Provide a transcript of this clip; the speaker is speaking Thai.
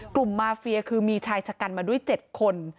กลุ่มมาเฟียคือมีชายชะกันมาด้วย๗คน